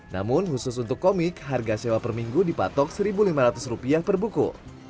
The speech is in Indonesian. namun khusus untuk komik harga sewa per minggu dipatok rp satu lima ratus per buku